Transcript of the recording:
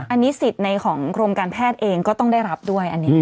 อันนี้สิทธิ์ในของกรมการแพทย์เองก็ต้องได้รับด้วยอันนี้